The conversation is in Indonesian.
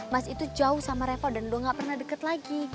mas itu jauh sama revo dan udah gak pernah deket lagi